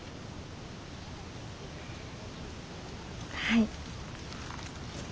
はい。